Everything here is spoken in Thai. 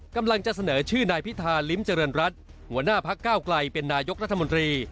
กำลังจะเสนอชื่อนายพิธาลิ้มเจริญรัฐหัวหน้าพักเก้าไกลเป็นนายกรัฐมนตรี